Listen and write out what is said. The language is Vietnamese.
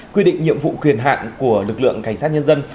quy định nhiệm vụ quyền hạn của lực lượng cảnh sát nhân dân